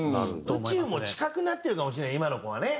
宇宙も近くなってるかもしれない今の子はね。